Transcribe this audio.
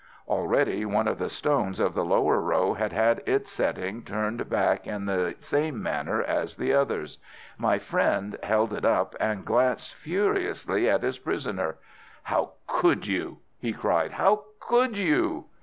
Already one of the stones of the lower row had had its setting turned back in the same manner as the others. My friend held it up and glanced furiously at his prisoner. "How could you!" he cried. "How could you!"